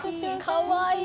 「かわいい！」